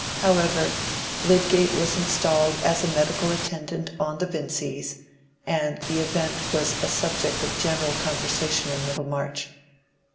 However, Lydgate was installed as medical attendant on the Vincys, and the event was a subject of general conversation in Middlemarch.